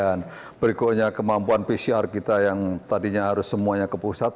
dan berikutnya kemampuan pcr kita yang tadinya harus semuanya ke pusat